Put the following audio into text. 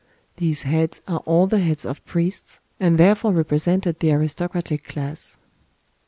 These heads are all the heads of priests, and therefore represented the aristocratic class.